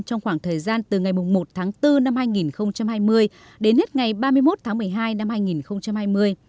trong khoảng thời gian từ ngày một tháng bốn năm hai nghìn hai mươi đến hết ngày ba mươi một tháng một mươi hai năm hai nghìn hai mươi